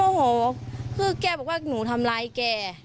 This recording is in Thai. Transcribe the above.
โอ้โหคือแกบอกว่าหนูทำร้ายแก